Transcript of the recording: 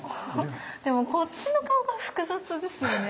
でもこっちの顔が複雑ですよね。